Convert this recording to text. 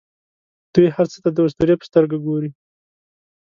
دوی هر څه ته د اسطورې په سترګه ګوري.